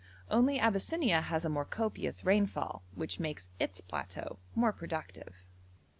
Only Abyssinia has a more copious rainfall, which makes its plateau more productive.